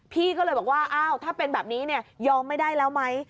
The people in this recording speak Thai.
พี่ก็เลยบอกว่าอ้าวถ้าเป็นแบบนี้เนี่ยยอมไม่ได้แล้วไหม